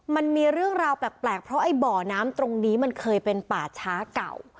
มันมีเรื่องราวแปลกเพราะไอ้บ่อน้ำตรงนี้มันเคยเป็นป่าช้าเก่า